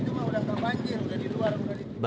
ini cuma udang terbanjir udah di luar udah di luar